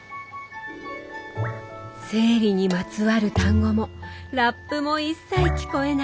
生理にまつわる単語もラップも一切聞こえない。